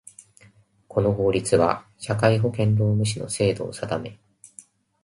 この法律は、社会保険労務士の制度を定め